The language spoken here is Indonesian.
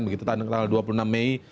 begitu tanggal dua puluh enam mei